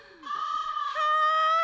はい！